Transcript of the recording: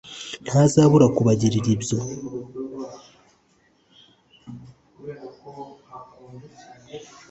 ntazabura kubagirira ibyo